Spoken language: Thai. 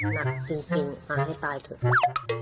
หนักจริงอ๋อให้ตายเถอะ